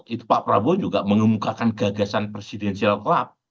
itu pak prabowo juga mengemukakan gagasan presidensial club